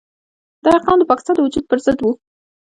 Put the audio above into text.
دا اقدام د پاکستان د وجود پرضد وو.